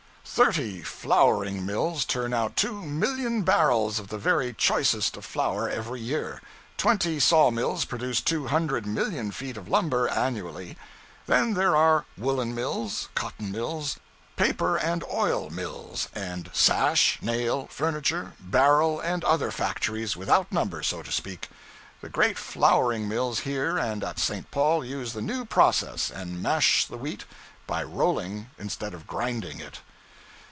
Thirty flouring mills turn out two million barrels of the very choicest of flour every year; twenty sawmills produce two hundred million feet of lumber annually; then there are woolen mills, cotton mills, paper and oil mills; and sash, nail, furniture, barrel, and other factories, without number, so to speak. The great flouring mills here and at St. Paul use the 'new process' and mash the wheat by rolling, instead of grinding it.